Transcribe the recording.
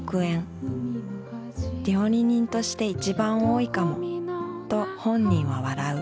料理人として一番多いかもと本人は笑う。